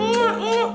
muah muah muah